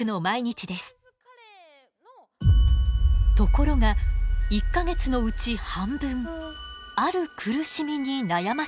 ところが１か月のうち半分ある苦しみに悩まされています。